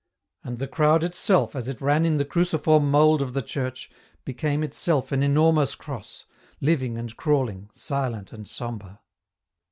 And the crowd itself, as it ran in the cruciform mould of the church, became itself an enormous cross, living and crawling, silent and sombre.